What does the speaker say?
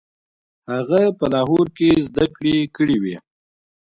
هغه په لاهور کې زده کړې کړې وې.